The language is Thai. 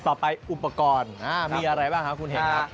อุปกรณ์มีอะไรบ้างครับคุณเห็นครับ